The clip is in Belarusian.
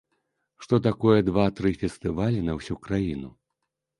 Што такое два-тры фестывалі на ўсю краіну?